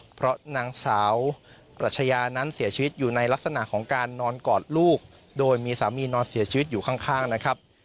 เพราะนางสาวปรัชญานั้นเสียชีวิตอยู่ในลักษณะของการนอนกอดลูกโดยมีสามีนอนเสียชีวิตอยู่ข้างนะครับ